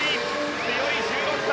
強い１６歳。